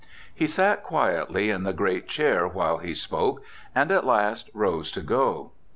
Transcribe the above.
He sat quietly in the great chair while he spoke, and at last rose to go.